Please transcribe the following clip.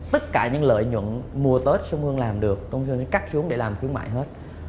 tất cả những lợi nhuận mua tết xong hương làm được tổng dân cắt xuống để làm khuyến mại hết